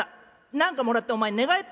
何かもらってお前寝返ったんだね？」。